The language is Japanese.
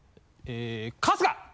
春日！